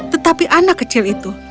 tetapi anak kecil itu